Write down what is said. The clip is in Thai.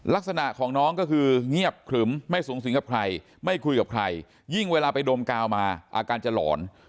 ลักษณะของน้องก็คือเงียบขรึมไม่สูงสิงกับใครไม่คุยกับใครยิ่งเวลาไปดมกาวมาอาการจะหลอน